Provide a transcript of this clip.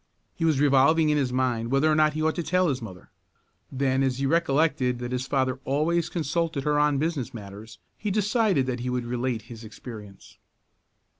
He was revolving in his mind whether or not he ought to tell his mother. Then, as he recollected that his father always consulted her on business matters, he decided that he would relate his experience.